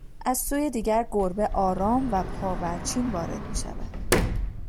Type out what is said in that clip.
از سوی دیگر گربه آرام و پاورچین وارد میشود